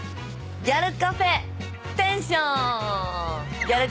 「ギャルカフェテンション」